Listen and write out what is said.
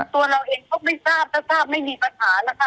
ตัวเราเองก็ไม่ทราบถ้าทราบไม่มีปัญหานะคะ